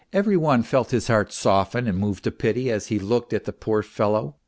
Every one felt his heart soften and move to pity as he looked at the poor fellow.